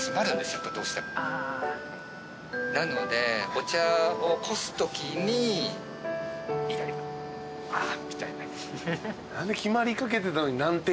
なのでお茶をこすときにイライラあ！みたいな。